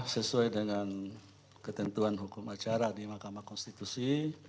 sesuai dengan ketentuan hukum acara di mahkamah konstitusi